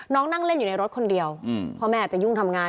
นั่งเล่นอยู่ในรถคนเดียวพ่อแม่อาจจะยุ่งทำงาน